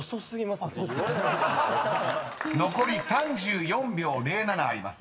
［残り３４秒０７あります］